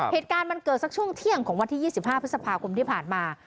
เหตุการณ์มันเกิดสักช่วงเที่ยงของวันที่๒๕พฤษภาคมที่ผ่านมา